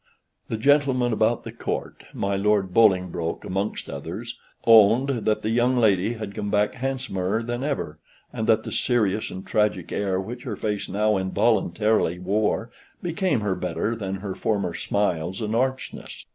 The gentlemen about the Court, my Lord Bolingbroke amongst others, owned that the young lady had come back handsomer than ever, and that the serious and tragic air which her face now involuntarily wore became her better than her former smiles and archness.